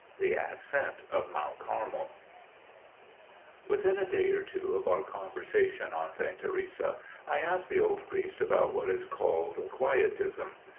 The Ascent of Mount Carmel. Under Which King? WITHIN a day or two of our conversation on St. Teresa, I asked the old priest about what is called "Quietism."